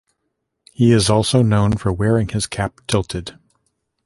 He is also known for wearing his cap tilted.